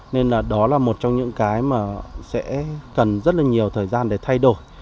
nên đó là một trong những cái mà sẽ cần rất nhiều thời gian để thay đổi